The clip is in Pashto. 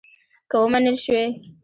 که ومنل شوې.